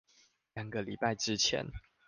兩個禮拜之前